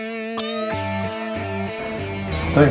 saya pinjem telpon kamu